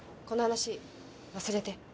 この話忘れて。